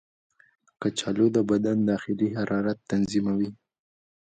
کچالو د بدن داخلي حرارت تنظیموي.